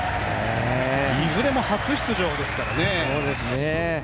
いずれも初出場ですからね。